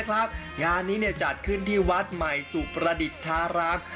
แจกโกรธาณเลยนะครับงานนี้เนี่ยจัดขึ้นที่วัดใหม่สุพระดิษฐาราม